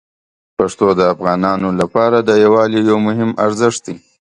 پښتو د افغانانو لپاره د یووالي یو مهم ارزښت دی.